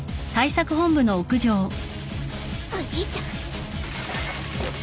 お兄ちゃん。